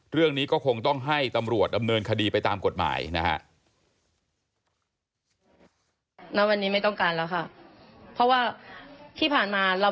เรื่องนี้ก็คงต้องให้ตำรวจดำเนินคดีไปตามกฎหมายนะฮะ